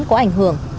có ảnh hưởng